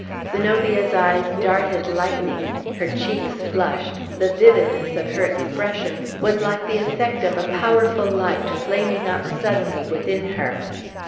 Zenobia's eyes darted lightning, her cheeks flushed, the vividness of her expression was like the effect of a powerful light flaming up suddenly within her.